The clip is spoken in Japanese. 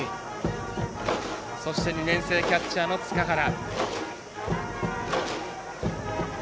そして２年生キャッチャーの塚原。